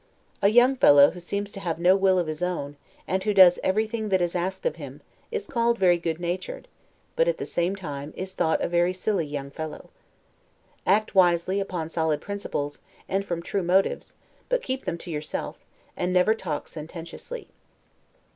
A young fellow who seems to have no will of his own, and who does everything that is asked of him, is called a very good natured, but at the same time, is thought a very silly young fellow. Act wisely, upon solid principles, and from true motives, but keep them to yourself, and never talk sententiously.